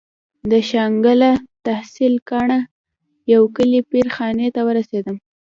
د شانګله تحصيل کاڼه يو کلي پير خاني ته ورسېدم.